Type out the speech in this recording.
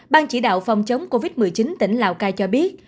ban chỉ đạo phòng chống covid một mươi chín tỉnh lào cai cho biết